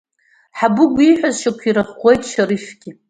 Хабыгә ииҳәаз шьақәирӷәӷәауеит Шьрыфгьы.